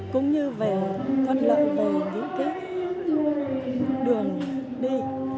cũng như về thuận lợi về những cái đường đi